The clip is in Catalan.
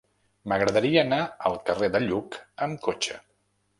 M'agradaria anar al carrer de Lluc amb cotxe.